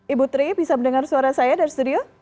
ibu tri bisa mendengar suara saya dari studio